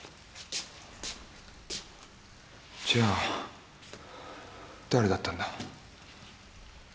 じゃ誰だったんだ？